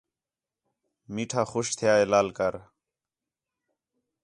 میٹھا خوش تھیا ہے لال کر